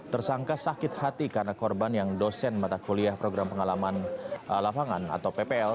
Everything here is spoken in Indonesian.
tersangka sakit hati karena korban yang dosen mata kuliah program pengalaman lapangan atau ppl